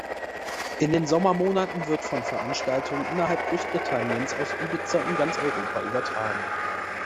In den Sommermonaten wird von Veranstaltungen innerhalb Großbritanniens, aus Ibiza und ganz Europa übertragen.